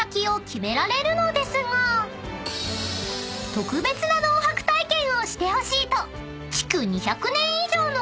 ［特別な農泊体験をしてほしいと］